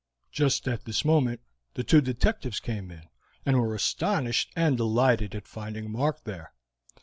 Just at this moment the two detectives came in, and were astonished and delighted at finding Mark there.